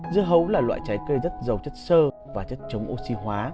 dưa hấu là loại trái cây rất giàu chất sơ và chất chống oxy hóa